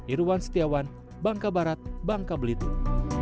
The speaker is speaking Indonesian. irwan setiawan bangka barat bangka belitung